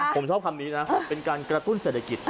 ผมชอบคำนี้นะเป็นการกระตุ้นเศรษฐกิจ